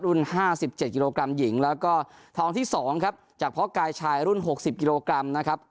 รุ่นห้าสิบเจ็ดกิโลกรัมหญิงแล้วก็ทองที่สองครับจากพ่อกายชายรุ่นหกสิบกิโลกรัมนะครับ